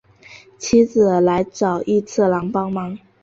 妻子来找寅次郎帮忙。